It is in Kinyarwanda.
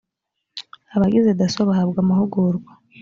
abagize dasso bahabwa amahugurwa